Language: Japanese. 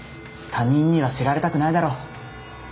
他人には知られたくないだろ。